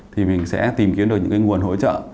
thì mình sẽ tìm kiếm được những cái nguồn hỗ trợ